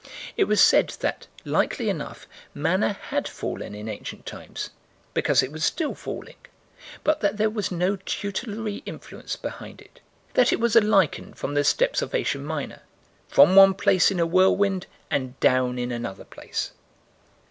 It was said that, likely enough, manna had fallen in ancient times because it was still falling but that there was no tutelary influence behind it that it was a lichen from the steppes of Asia Minor from one place in a whirlwind and down in another place.